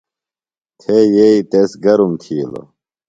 تھے یئیی تس گرم تِھیلوۡ۔